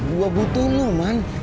gua butuh lu man